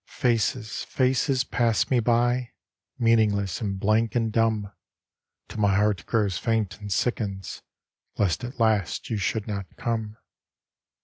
Faces, faces pass me by, Meaningless, and blank, and dumb, Till my heart grows faint and sickens Lest at last you should not come.